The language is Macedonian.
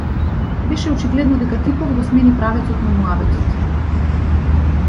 Беше очигледно дека типов го смени правецот на муабетот.